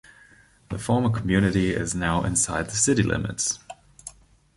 The former community is now inside the city limits.